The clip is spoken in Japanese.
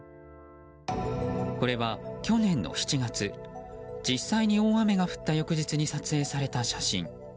これは、去年の７月実際に大雨が降った翌日に撮影された写真。